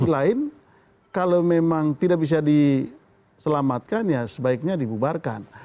lain kalau memang tidak bisa diselamatkan ya sebaiknya dibubarkan